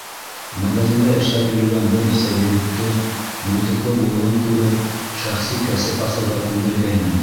Магазинда эшләп йөрөгән бер нисә егетте, булдыҡлы булыуын күреп, шәхси кәсеп асырға күндергәйнем.